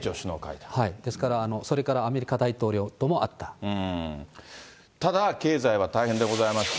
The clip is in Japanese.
ですから、それからアメリカただ、経済は大変でございまして。